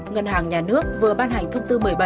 ngân hàng nhà nước vừa ban hành thông tư một mươi bảy